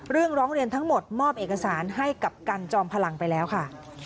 ร้องเรียนทั้งหมดมอบเอกสารให้กับกันจอมพลังไปแล้วค่ะ